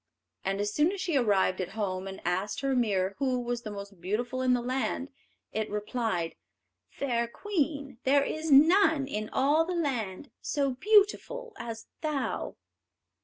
And as soon as she arrived at home, and asked her mirror who was the most beautiful in the land, it replied: "Fair queen, there is none in all the land So beautiful as thou."